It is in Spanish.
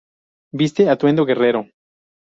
Viste atuendo guerrero.